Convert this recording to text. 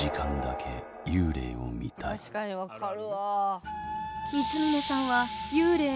確かに分かるわあ。